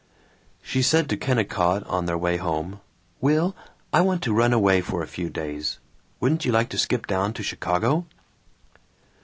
She said to Kennicott on their way home, "Will! I want to run away for a few days. Wouldn't you like to skip down to Chicago?"